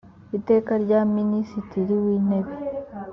iteka rya minisitiri w intebe